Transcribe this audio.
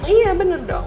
iya bener dong